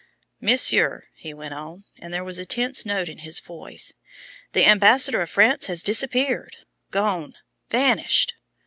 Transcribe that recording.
"Monsieur," he went on, and there was a tense note in his voice, "the ambassador of France had disappeared, gone, vanished!